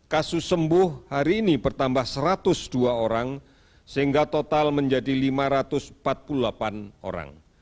kasus sembuh hari ini bertambah satu ratus dua orang sehingga total menjadi lima ratus empat puluh delapan orang